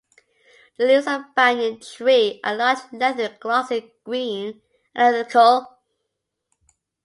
The leaves of the banyan tree are large, leathery, glossy, green, and elliptical.